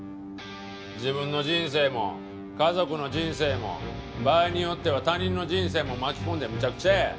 自分の人生も家族の人生も場合によっては他人の人生も巻き込んでむちゃくちゃや。